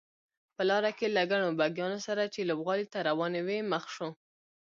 په لاره کې له ګڼو بګیانو سره چې لوبغالي ته روانې وې مخ شوو.